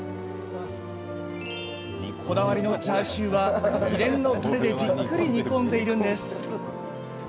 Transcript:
こだわりのチャーシューは秘伝のたれでじっくり煮込んでいるんです。